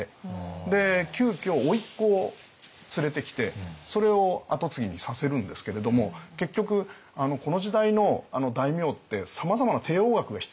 で急きょおいっ子を連れてきてそれを跡継ぎにさせるんですけれども結局この時代の大名ってさまざまな帝王学が必要なんですよね。